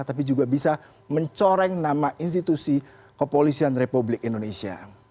tapi juga bisa mencoreng nama institusi kepolisian republik indonesia